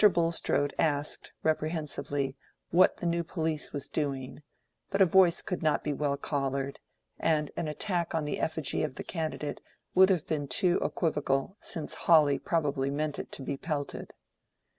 Bulstrode asked, reprehensively, what the new police was doing; but a voice could not well be collared, and an attack on the effigy of the candidate would have been too equivocal, since Hawley probably meant it to be pelted.